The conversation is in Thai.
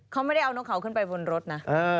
เขาไม่ได้เอานกเขาขึ้นไปบนรถนะ